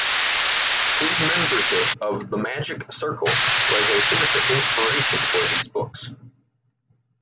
His membership of The Magic Circle was a source of inspiration for these books.